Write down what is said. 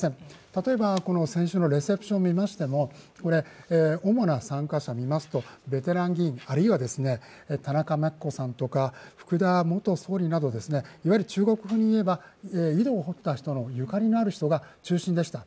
例えば、先週のレセプションを見ましても、主な参加者を見ますとベテラン議員、あるいは田中真紀子さんとか福田元総理など、いわゆる中国風にいえば井戸を掘った人、ゆかりのある人が中心でした。